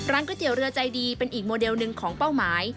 ก๋วยเตี๋ยเรือใจดีเป็นอีกโมเดลหนึ่งของเป้าหมาย